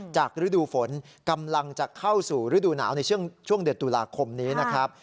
ฤดูฝนกำลังจะเข้าสู่ฤดูหนาวในช่วงเดือนตุลาคมนี้นะครับ